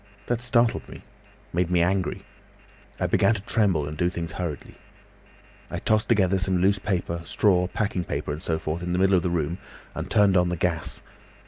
That startled me, made me angry. I began to tremble and do things hurriedly. "I tossed together some loose paper, straw, packing paper and so forth, in the middle of the room, and turned on the gas.